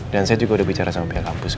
dan saya juga udah bicara sama pihak kampus bu